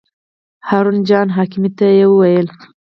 هارون جان حکیمي ته یې وویل.